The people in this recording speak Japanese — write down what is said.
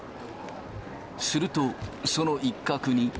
すると、その一角に。